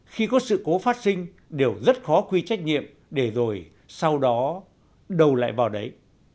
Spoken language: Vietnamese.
khi có sự cố phát sinh đều rất khó quy trách nhiệm để rồi sau đó đầu lại vào đấy